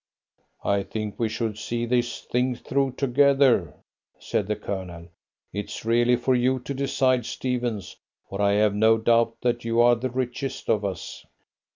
"I think we should see this thing through together," said the Colonel. "It's really for you to decide, Stephens, for I have no doubt that you are the richest of us."